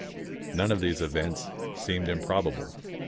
None of these events seemed improbable.